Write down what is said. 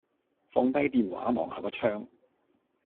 放低電話，望下個窗